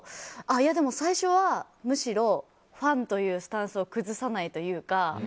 でも最初は、むしろファンというスタンスを崩さないというか。